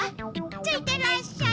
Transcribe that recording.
ついてらっしゃい！